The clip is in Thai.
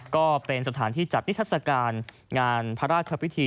ก็เป็นสถานที่จัดนิทัศกาลงานพระราชพิธี